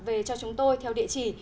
về cho chúng tôi theo địa chỉ